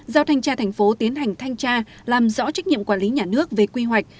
giao thanh tra thành phố tiến hành thanh tra làm rõ trách nhiệm quản lý nhà nước về quy hoạch